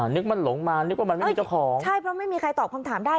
นึกมันหลงมานึกว่ามันไม่มีเจ้าของใช่เพราะไม่มีใครตอบคำถามได้